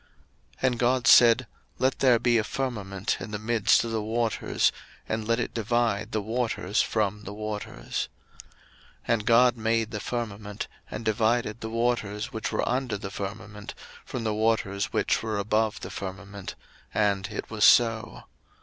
01:001:006 And God said, Let there be a firmament in the midst of the waters, and let it divide the waters from the waters. 01:001:007 And God made the firmament, and divided the waters which were under the firmament from the waters which were above the firmament: and it was so.